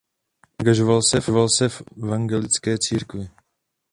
Angažoval se v evangelické církvi.